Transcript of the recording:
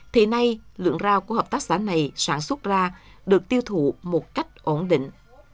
thì nay lượng rau của hợp tác xã này sản xuất ra được tiêu thụ một cách ổn định